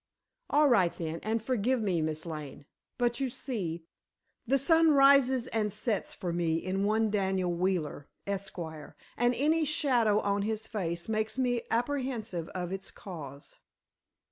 "All right, then, and forgive me, Miss Lane. But you see, the sun rises and sets for me in one Daniel Wheeler, Esquire, and any shadow on his face makes me apprehensive of its cause."